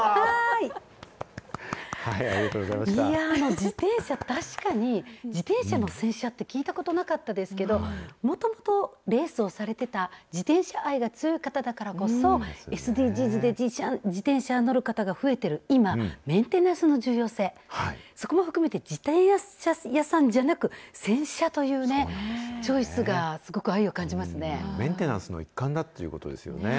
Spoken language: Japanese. いやー、自転車、確かに、自転車の洗車って聞いたことなかったですけど、もともとレースをされてた自転車愛が強い方だからこそ、ＳＤＧｓで、自転車に乗る方が増えてる今、メンテナンスの重要性、そこも含めて、自転車屋さんじゃなく、洗車というね、チョメンテナンスの一環だということですよね。